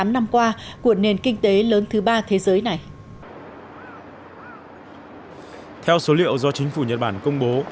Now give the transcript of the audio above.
năm qua của nền kinh tế lớn thứ ba thế giới này theo số liệu do chính phủ nhật bản công bố